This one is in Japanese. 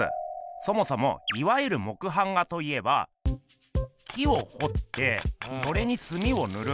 そもそもいわゆる木版画といえば木をほってそれにすみをぬる。